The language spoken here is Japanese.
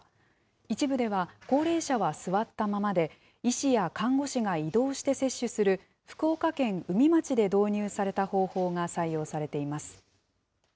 一部では、高齢者は座ったままで、医師や看護師が移動して接種する、福岡県宇美町で導入された方法が採用されています。